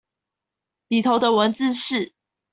裡頭的文字是